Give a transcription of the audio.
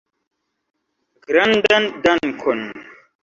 Grandan dankon!